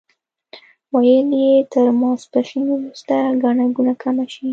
ویل یې تر ماسپښین وروسته ګڼه ګوڼه کمه شي.